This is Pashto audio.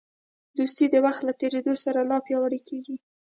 دوستي د وخت له تېرېدو سره لا پیاوړې کېږي.